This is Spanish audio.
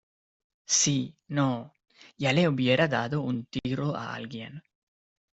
si no, ya le hubieran dado un tiro a alguien.